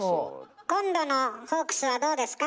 今度のホークスはどうですか？